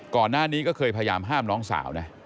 ก่อนหน้านี้ก็เคยพยายามห้ามน้องสาวนะ